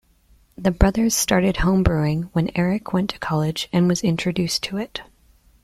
The brothers started homebrewing when Eric went to college and was introduced to it.